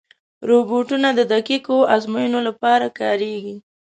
روبوټونه د دقیقو ازموینو لپاره کارېږي.